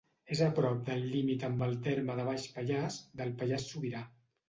És a prop del límit amb el terme de Baix Pallars, del Pallars Sobirà.